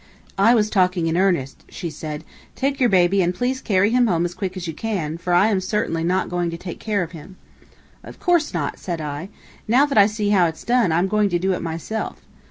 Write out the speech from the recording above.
"I was talking in earnest," she said. "Take your baby, and please carry him home as quick as you can, for I am certainly not going to take care of him." "Of course not," said I. "Now that I see how it's done, I'm going to do it myself.